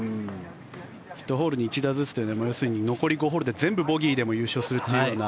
１ホールに１打ずつというのは要するに残り５ホールでも全部ボギーでも優勝するというような。